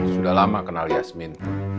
sudah lama kenal yasmin